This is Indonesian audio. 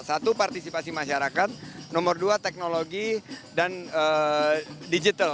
satu partisipasi masyarakat nomor dua teknologi dan digital